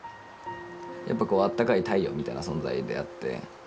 やっぱこうあったかい太陽みたいな存在であって。